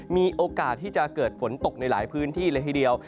มีโอกาสที่จะเกิดฝนตกในหลายพื้นที่เลยทีเดียว